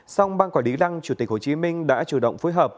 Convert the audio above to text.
song ban quản lý lăng chủ tịch hồ chí minh đã chủ động phối hợp